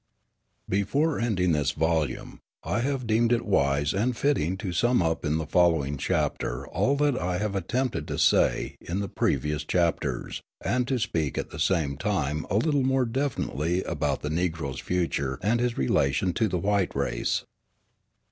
Before ending this volume, I have deemed it wise and fitting to sum up in the following chapter all that I have attempted to say in the previous chapters, and to speak at the same time a little more definitely about the Negro's future and his relation to the white race.